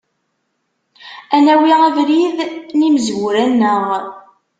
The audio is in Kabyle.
Ad nawi abrid n yimezwura-nneɣ.